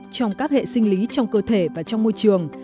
trong các hệ sinh lý trong cơ thể và trong môi trường